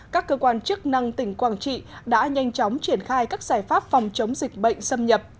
các cơ quan chức năng tỉnh quảng trị đã nhanh chóng triển khai các giải pháp phòng chống dịch bệnh xâm nhập